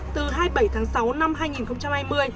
từ hai mươi bảy tháng sáu năm hai nghìn hai mươi